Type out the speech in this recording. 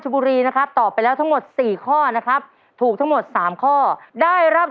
๑๑กรัมแล้วนะครับ